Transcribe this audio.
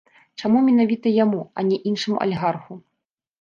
Чаму менавіта яму, а не іншаму алігарху?